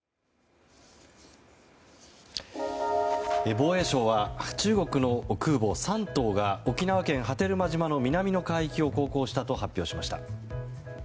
防衛省は中国の空母「山東」が沖縄県波照間島の南の海域を航行したと発表しました。